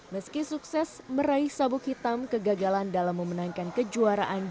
meski sukses meraih sabuk hitam kegagalan dalam memenangkan kejuaraan